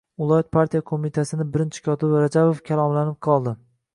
Viloyat partiya qo‘mitasini birinchi kotibi Rajabov kalovlanib qoldi.